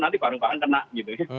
nanti bareng bareng kena gitu ya